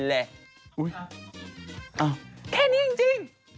อุ๊ยอ้าวเค้านี่จริง